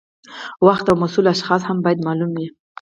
وخت او مسؤل اشخاص هم باید معلوم وي.